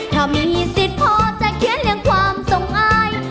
ถ้ามีสิทธิ์พอจะเขียนเรื่องความทรงอาย